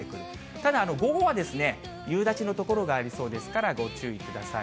ただ、午後はですね、夕立の所がありそうですから、ご注意ください。